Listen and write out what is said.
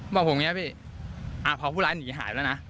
บอกผมเนี้ยพี่อะพอผู้ร้ายหนีหายแล้วนะ